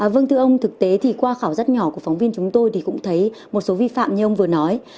vâng thưa ông thực tế thì qua khảo sát nhỏ của phóng viên chúng tôi thì cũng thấy một số vi phạm như ông vừa nói